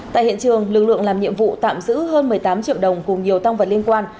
tại hiện trường lực lượng làm nhiệm vụ tạm giữ hơn một mươi tám triệu đồng cùng nhiều tăng vật liên quan